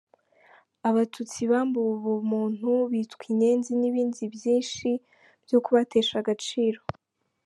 Abatutsi bambuwe ubumuntu, bitwa inyenzi n’ibindi byinshi byo kubatesha agaciro.